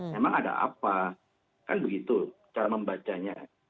memang ada apa kan begitu cara membacanya